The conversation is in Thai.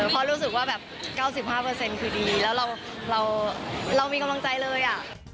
เพราะรู้สึกว่าแบบ๙๕คือดีแล้วเรามีกำลังใจเลย